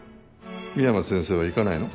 深山先生は行かないの？